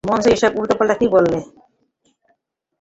মঞ্চে এসব উলটাপালটা কী বললে?